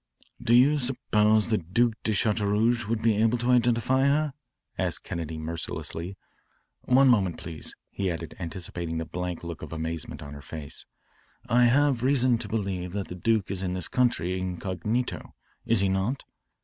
"Do you suppose the Duc de Chateaurouge would be able to identify her?" asked Kennedy mercilessly. "One moment, please," he added, anticipating the blank look of amazement on her face. "I have reason to believe that the duke is in this country incognito is he not?"